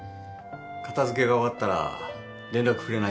片付けが終わったら連絡くれないかな。